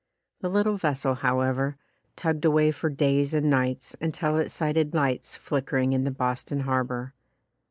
The little vessel, however, tugged away for days and nights until it sighted lights flickering in the Bos ton Harbor.